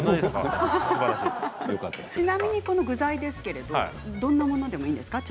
ちなみにこの具材ですけれどどんなものでもいいんですか？